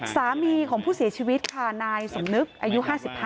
สามีของผู้เสียชีวิตค่ะนายสมนึกอายุ๕๕